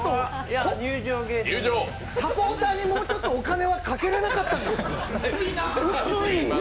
サポーターにもうちょっとお金はかけられなかったんですか、薄い。